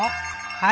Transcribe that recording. はい！